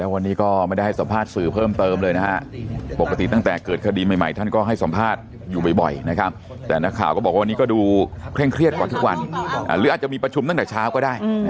วันนี้ก็ดูเคร่งเครียดกว่าทุกวันหรืออาจจะมีประชุมตั้งแต่เช้าก็ได้